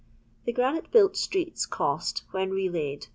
The granite built streets cost, when relaid, ♦ At p.